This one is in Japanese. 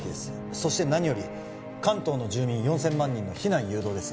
そして何より関東の住民４０００万人の避難誘導です